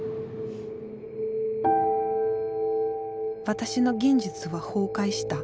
私の現実は崩壊した。